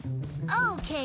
オッケー。